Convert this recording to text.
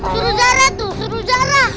suruh zara tuh suruh zara